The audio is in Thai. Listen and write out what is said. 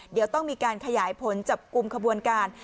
เดี๋ยวต้องมีการขยายผลจับกลุ่มขบวนการ